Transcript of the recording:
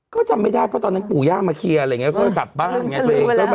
ก็จำไม่ได้เพราะตอนนั้นปู่ย่ามาเคลียร์อะไรอย่างนี้ก็กลับบ้านไงตัวเอง